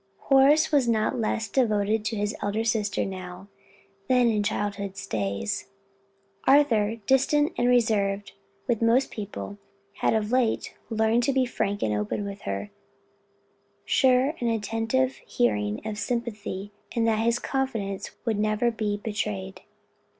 Horace was not less devoted to his elder sister now than in childhood's days; Arthur, distant and reserved with most people, had of late learned to be very frank and open with her, sure of an attentive hearing, of sympathy, and that his confidence would never be betrayed.